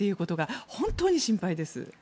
本当に心配です。